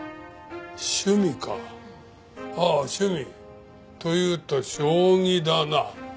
趣味かああ趣味。というと将棋だな。